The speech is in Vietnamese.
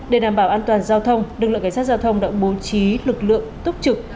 để đảm bảo an toàn giao thông lực lượng cảnh sát giao thông đã bố trí lực lượng tốc trực